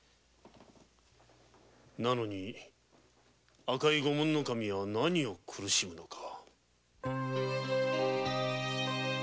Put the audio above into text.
なのに赤井御門守は何を苦しむのか？